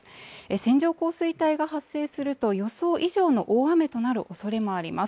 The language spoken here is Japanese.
線状降水帯が発生すると予想以上の大雨となる恐れもあります